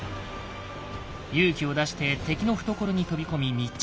勇気を出して敵の懐に飛び込み密着。